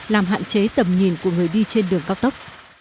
làm hạn chế tầm nhìn của người đi trên đường cao tốc